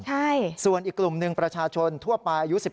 ใช่ส่วนอีกกลุ่มนึงประชาชนทั่วไป